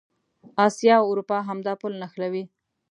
اسیا او اروپا همدا پل نښلوي.